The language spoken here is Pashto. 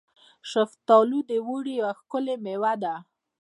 شفتالو د اوړي یوه ښکلې میوه ده.